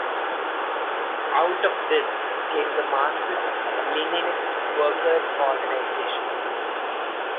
Out of this came the Marxist-Leninist Workers Organization.